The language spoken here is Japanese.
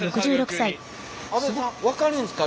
阿部さん分かるんですか？